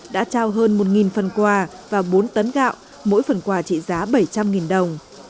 đã trao hơn một phần quà và bốn tấn gạo mỗi phần quà trị giá bảy trăm linh đồng